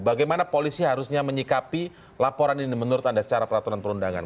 bagaimana polisi harusnya menyikapi laporan ini menurut anda secara peraturan perundangan